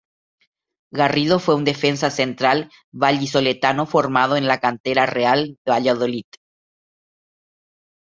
Garrido fue un defensa central vallisoletano formado en la cantera del Real Valladolid.